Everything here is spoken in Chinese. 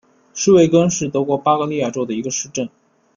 施魏根是德国巴伐利亚州的一个市镇。